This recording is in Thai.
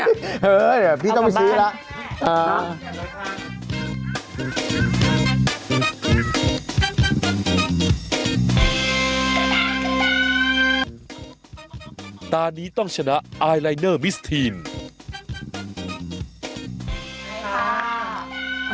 เฮ้ยเดี๋ยวพี่ต้องไปซื้ออีกแล้วเอ่อ